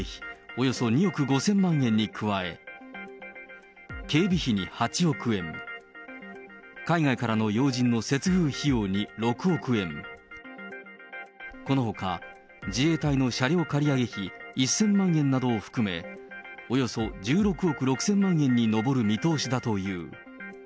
およそ２億５０００万円に加え、警備費に８億円、海外からの要人の接遇費用に６億円、このほか自衛隊の車両借り上げ費１０００万円などを含め、およそ１６億６０００万円に上る見通しだという。